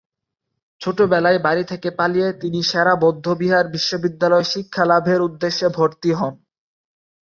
ছোট বেলায় বাড়ি থেকে পালিয়ে তিনি সে-রা বৌদ্ধবিহার বিশ্ববিদ্যালয়ে শিক্ষালাভের উদ্দেশ্যে ভর্তি হন।